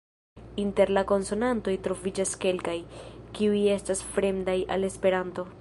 Inter la konsonantoj troviĝas kelkaj, kiuj estas fremdaj al esperanto.